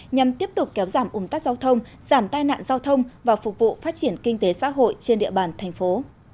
nhằm tiếp tục kéo giảm ủng tắc giao thông giảm tai nạn giao thông và phục vụ phát triển kinh tế xã hội trên địa bàn thành phố